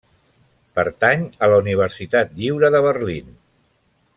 Pertany a la Universitat Lliure de Berlín.